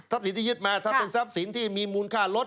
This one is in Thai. สินที่ยึดมาถ้าเป็นทรัพย์สินที่มีมูลค่าลด